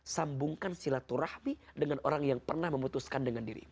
sambungkan silaturahmi dengan orang yang pernah memutuskan dengan dirimu